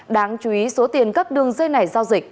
đáng chú ý số tiền các đường dây này giao dịch